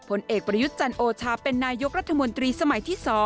ผลเอกประยุทธ์จันโอชาเป็นนายกรัฐมนตรีสมัยที่๒